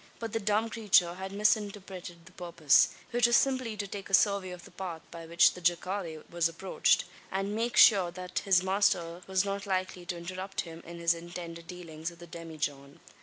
But the dumb creature had misinterpreted the purpose which was simply to take a survey of the path by which the jacale was approached, and make sure, that, his master was not likely to interrupt him in his intended dealings with the demijohn.